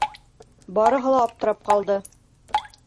Барыһы ла аптырап ҡалды.